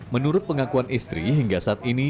menurut pengakuan istri hingga saat ini